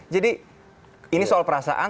jadi ini soal perasaan